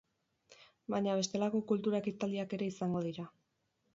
Baina bestelako kultura ekitaldiak ere izango dira.